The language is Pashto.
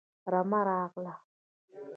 رمه راغله